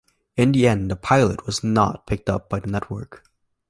In the end, the pilot was not picked up by the network.